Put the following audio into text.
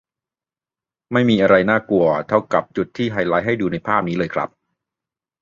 ไม่มีอะไรน่ากลัวเท่ากับจุดที่ไฮไลท์ให้ดูในภาพนี้เลยครับ